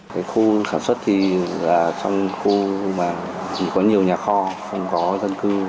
cái khu sản xuất thì là trong khu mà chỉ có nhiều nhà kho không có dân cư